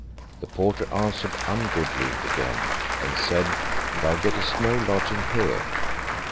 The porter answered ungoodly again, and said, Thou gettest no lodging here.